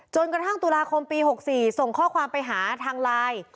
จนกระทั่งตุลาคมปี๖๔ส่งข้อความไปหาทางไลน์